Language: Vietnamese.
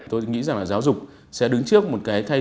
tôi nghĩ rằng là giáo dục sẽ đứng trước một cái